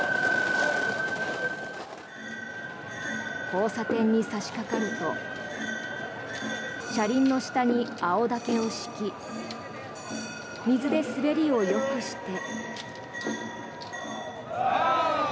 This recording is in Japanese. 交差点に差しかかると車輪の下に青竹を敷き水で滑りをよくして。